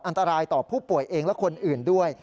อันตรายต่อผู้ป่วยเองและคนอื่นด้วย